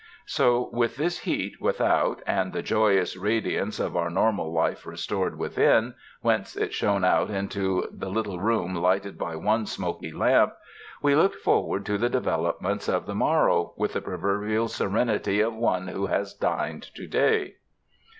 So with this heat without, and the joyous radiance of 115 UNDER THE SKY IN CALIFORNIA our normal life restored within, whence it shone out into the little room lighted by one smoky lamp, we looked forward to the developments of the mor row with the proverbial serenity of one who has dined to day.